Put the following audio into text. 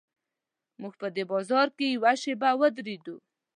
موږ په دې بازار کې یوه شېبه ودرېدو.